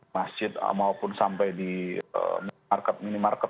masjid maupun sampai di market minimarket